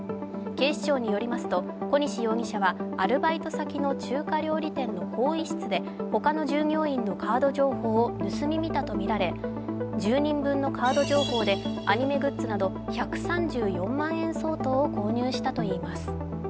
警視庁によりますと、小西容疑者はアルバイト先の中華料理店の更衣室で他の従業員のカード情報を盗み見たとみられ１０人分のカード情報でアニメグッズなど１３４万円相当を購入したといいます。